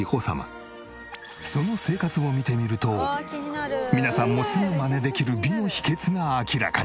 その生活を見てみると皆さんもすぐマネできる美の秘訣が明らかに！